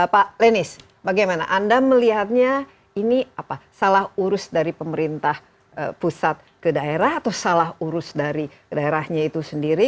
pak lenis bagaimana anda melihatnya ini salah urus dari pemerintah pusat ke daerah atau salah urus dari daerahnya itu sendiri